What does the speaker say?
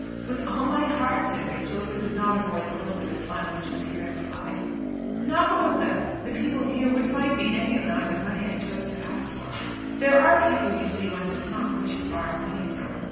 "With all my heart," said Rachel, who could not avoid the little bit of fun which was here implied. "Not but what the the people here would find me any amount of money I chose to ask for. There are people, you see, one does not wish to borrow money from.